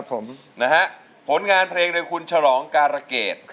ผลงานเพลงโดยคุณฉลองการะเกด